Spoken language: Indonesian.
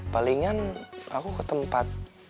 palingan aku ke tempat